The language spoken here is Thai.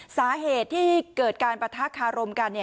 สาเหตุที่เกิดการประทาการมกันเนี่ย